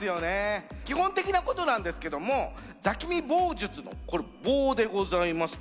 基本的なことなんですけども「座喜味棒術」のこれ棒でございますけども。